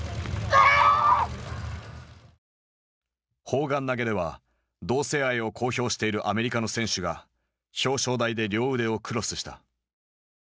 砲丸投げでは同性愛を公表しているアメリカの選手が表彰台で両腕をクロスした。